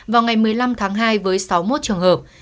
vào ngày một mươi năm tháng hai với sáu mươi một trường hợp